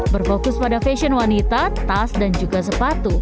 berfokus pada fashion wanita tas dan juga sepatu